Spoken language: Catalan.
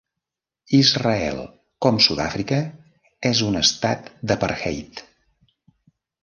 Israel, com Sud-àfrica, és un estat d'apartheid.